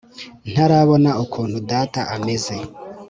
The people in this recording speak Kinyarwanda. ntarabona ukuntu data ameze